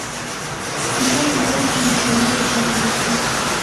پسه په ژمي کې له سړو وساتل شي.